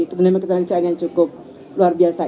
kementerian ketenaga kerjaan yang cukup luar biasa ibu